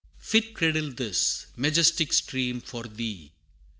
III. Fit cradle this Majestic Stream, for thee!